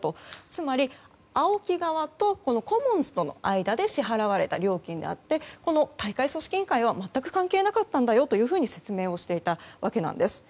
つまり、ＡＯＫＩ側とコモンズとの間で支払われた料金であってこの大会組織委員会は全く関係なかったんだよと説明をしていたわけです。